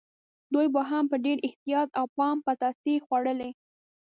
دوی به هم په ډېر احتیاط او پام پتاسې خوړلې.